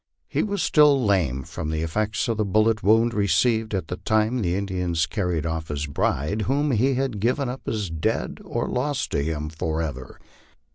He was still lame from the effects of the bullet wound received at the time the Indians carried off his bride, whom he had given up as dead or lost to him forever.